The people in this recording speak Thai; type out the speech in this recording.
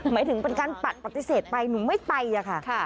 หมายถึงเป็นการปัดปฏิเสธไปหนูไม่ไปอะค่ะ